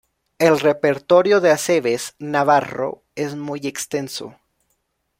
El repertorio de Aceves Navarro es muy extenso.